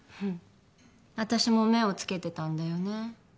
私も目をつけてたんだよね